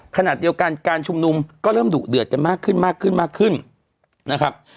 ขนาดเดียวกันการชุมนุมก็เริ่มดุเดือดจะมากขึ้นขึ้นขึ้นนะครับ